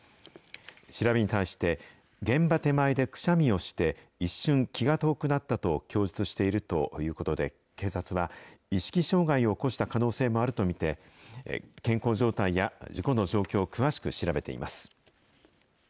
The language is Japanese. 調べに対して、現場手前でくしゃみをして、一瞬、気が遠くなったと供述しているということで、警察は、意識障害を起こした可能性もあると見て、健康状態や事故の状況を詳しく調べています。